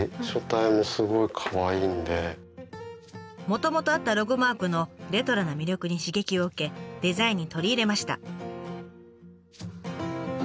もともとあったロゴマークのレトロな魅力に刺激を受けデザインに取り入れました。